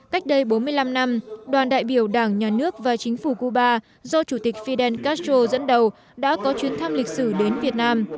cách đây bốn mươi năm năm đoàn đại biểu đảng nhà nước và chính phủ cuba do chủ tịch fidel castro dẫn đầu đã có chuyến thăm lịch sử đến việt nam